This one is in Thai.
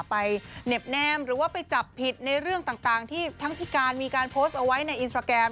เหน็บแนมหรือว่าไปจับผิดในเรื่องต่างที่ทั้งพี่การมีการโพสต์เอาไว้ในอินสตราแกรม